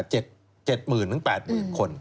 ๗๘หมื่นคน